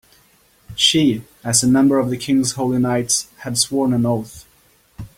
She, as a member of the king's holy knights, had sworn an oath.